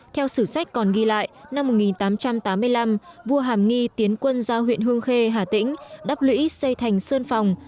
theo sử sách còn ghi lại năm một nghìn tám trăm tám mươi năm vua hàm nghi tiến quân ra huyện hương khê hà tĩnh đắp lũy xây thành sơn phòng